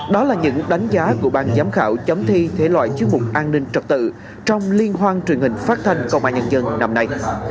đó là những đánh giá của ban giám khảo chấm thi thể loại chức vụ an ninh trật tự trong liên hoan truyền hình phát thanh công an nhân dân năm nay